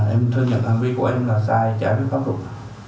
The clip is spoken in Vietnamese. em thương nhận tham viên của em là sai trái với pháp luật